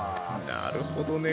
なるほどね。